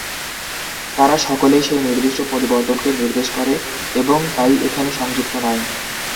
তারা সকলেই সেই নির্দিষ্ট পরিবর্তনকে নির্দেশ করে এবং তাই এখানে সংযুক্ত নয়।